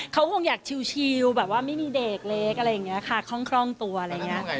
เขาคงอยากชิลแบบว่าไม่มีเด็กเล็กอะไรอย่างนี้ค่ะคล่องตัวอะไรอย่างนี้